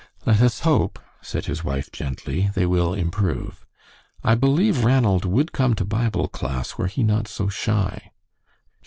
"Let us hope," said his wife, gently, "they will improve. I believe Ranald would come to Bible class were he not so shy."